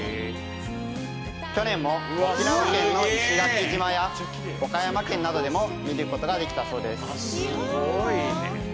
去年も沖縄県の石垣島や岡山県などでも見ることができたそうです。